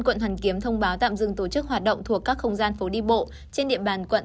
quận hoàn kiếm thông báo tạm dừng tổ chức hoạt động thuộc các không gian phố đi bộ trên địa bàn quận